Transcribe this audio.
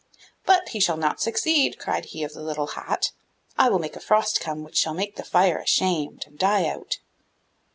'But he shall not succeed,' cried he of the little hat, 'I will make a frost come which shall make the fire ashamed and die out!